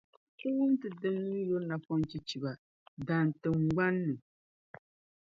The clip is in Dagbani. Ti wum ti dimnim’ yuri napɔnchichiba Dan tiŋgban’ ni.